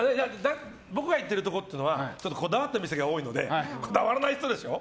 僕が行っているところはこだわっている店が多いのでこだわらない人でしょう。